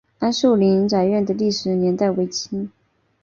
安寿林宅院的历史年代为清。